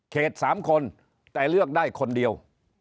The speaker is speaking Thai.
๓คนแต่เลือกได้คนเดียว